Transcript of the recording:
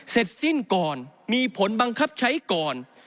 เสร็จสิ้นก่อนมีผลบังคับใช้ก่อน